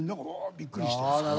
びっくりして。